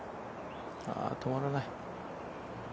止まらない。